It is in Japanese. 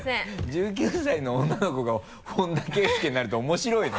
１９歳の女の子が本田圭佑になると面白いね。